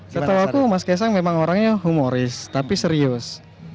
setelah aku mas kaisang memang orangnya humoris tapi serius